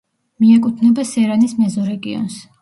მიეკუთვნება სერანის მეზორეგიონს.